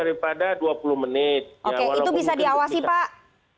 itu bisa diawasi pak